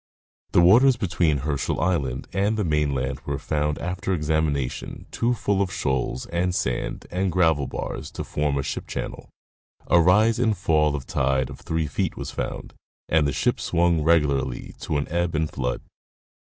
The waters between Herschel island and the mainland were found after examination too full of shoals and sand and gravel bars to form a ship channel. A rise and fall of tide of three feet was found, and the ship swung regularly to an ebb and flood.